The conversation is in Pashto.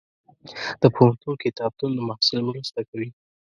د پوهنتون کتابتون د محصل مرسته کوي.